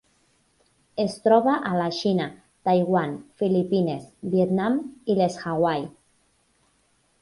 Es troba a la Xina, Taiwan, Filipines, Vietnam i les Hawaii.